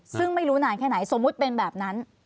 ซึ่งไม่รู้นานแค่ไหนสมมุติเป็นแบบนั้น